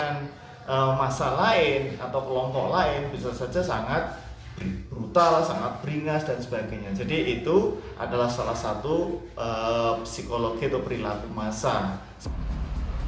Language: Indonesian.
jadi itu adalah salah satu psikologi atau perilaku masalah